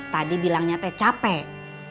tadi bilangnya teh capek